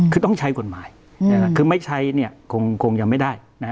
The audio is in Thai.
คือต้องใช้กฎหมายคือไม่ใช้คงยังไม่ได้